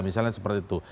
misalnya seperti itu